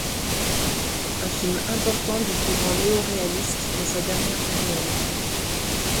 Un film important du courant néo-réaliste dans sa dernière période.